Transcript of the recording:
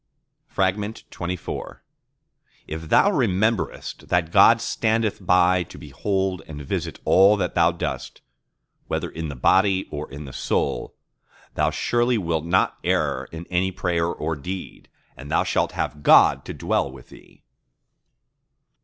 XXIV If thou rememberest that God standeth by to behold and visit all that thou doest; whether in the body or in the soul, thou surely wilt not err in any prayer or deed; and thou shalt have God to dwell with thee.